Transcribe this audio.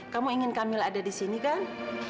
kamu ingin camilla ada disini kan